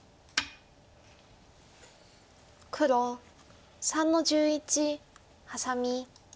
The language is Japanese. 黒３の十一ハサミ。